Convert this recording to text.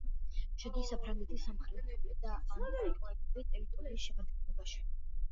შედის საფრანგეთის სამხრეთული და ანტარქტიდული ტერიტორიის შემადგენლობაში.